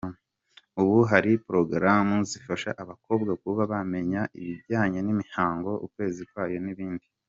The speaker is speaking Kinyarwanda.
Ubu hari ’porogaramu’ zifasha abakobwa kuba bamenya ibijyanye n’imihango, ukwezi kwayo n’ibindi.